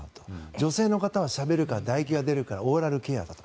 女性の方はしゃべるからだ液が出るからオーラルケアだと。